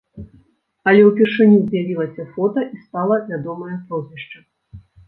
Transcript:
Але ўпершыню з'явілася фота і стала вядомае прозвішча.